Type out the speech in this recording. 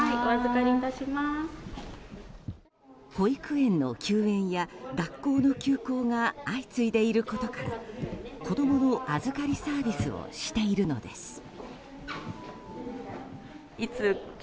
保育園の休園や学校の休校が相次いでいることから子供の預かりサービスをしているのです。